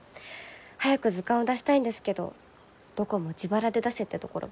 早く図鑑を出したいんですけどどこも自腹で出せってところばかりで。